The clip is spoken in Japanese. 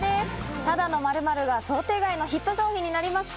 ただの○○が想定外のヒット商品になりました。